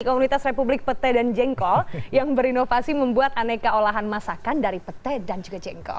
komunitas republik pete dan jengkol yang berinovasi membuat aneka olahan masakan dari petai dan juga jengkol